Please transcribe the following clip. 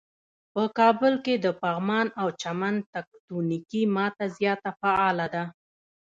په کابل کې د پغمان او چمن تکتونیکی ماته زیاته فعاله ده.